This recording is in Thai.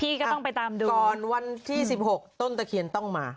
ก็ต้องไปตามดูก่อนวันที่๑๖ต้นตะเคียนต้องมา